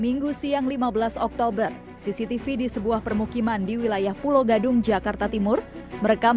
minggu siang lima belas oktober cctv di sebuah permukiman di wilayah pulau gadung jakarta timur merekam